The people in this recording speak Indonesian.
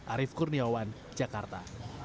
arief kurniawan jakarta